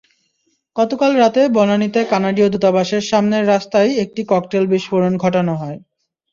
গতকাল রাতে বনানীতে কানাডীয় দূতাবাসের সামনের রাস্তায় একটি ককটেলের বিস্ফোরণ ঘটানো হয়।